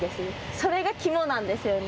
それが肝なんですよね。